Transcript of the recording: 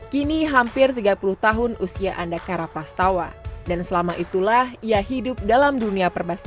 kini hampir tiga puluh tahun usia anda karapastawa dan selama itulah ia hidup dalam dunia